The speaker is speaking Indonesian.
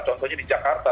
contohnya di jakarta